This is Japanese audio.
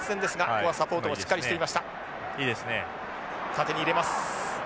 縦に入れます。